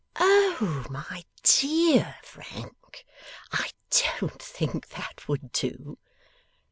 'Oh my DEAR Frank! I DON'T think that would do!